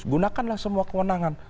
gunakanlah semua kewenangan